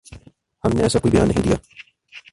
ہم نے ایسا کوئی بیان نہیں دیا